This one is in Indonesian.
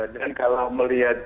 dan kalau melihat